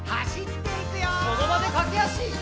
そのばでかけあし！